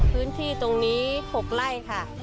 พื้นที่ตรงนี้๖ไร่ค่ะ